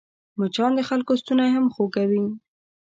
مچان د خلکو ستونی هم خوږوي